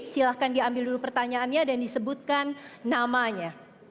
silahkan diambil dulu pertanyaannya dan disebutkan namanya